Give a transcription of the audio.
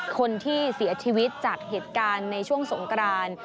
คนที่เสียชีวิตจากเหตุการณ์ในช่วงสงกราน